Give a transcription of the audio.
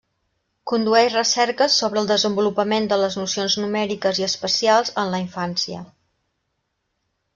Condueix recerques sobre el desenvolupament de les nocions numèriques i espacials en la infància.